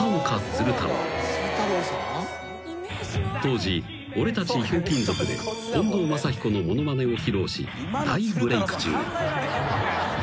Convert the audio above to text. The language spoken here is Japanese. ［当時『オレたちひょうきん族』で近藤真彦の物まねを披露し大ブレーク中］